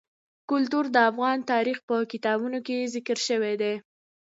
کلتور د افغان تاریخ په کتابونو کې ذکر شوی دي.